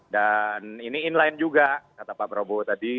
dan ini inline juga kata pak prabowo tadi